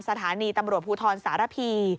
สถานีตำรวจภูทรสารพี